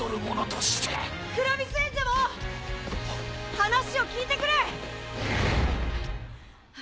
話を聞いてくれ！